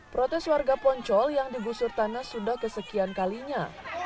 protes warga poncol yang digusur tanah sudah kesekian kalinya